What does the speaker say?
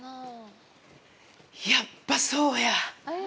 やっぱ、そうや！